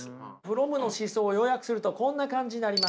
フロムの思想を要約するとこんな感じになります。